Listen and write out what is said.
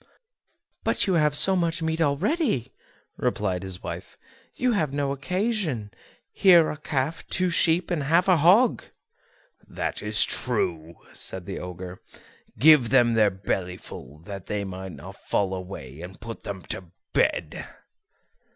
"But you have so much meat already," replied his wife, "you have no occasion; here are a calf, two sheep, and half a hog." "That is true," said the Ogre; "give them their belly full that they may not fall away, and put them to bed."